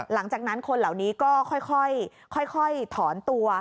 หลังจากนั้นคนเหล่านี้ก็ค่อยถอนตัว